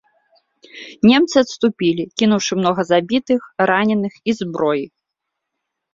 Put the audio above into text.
Немцы адступілі, кінуўшы многа забітых, раненых і зброі.